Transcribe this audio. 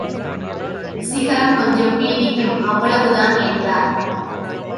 கிரகம் கொஞ்சம் பீடிக்கும் அவ்வளவு தான்! என்றார்.